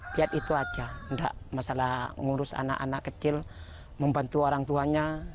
lihat itu aja enggak masalah ngurus anak anak kecil membantu orang tuanya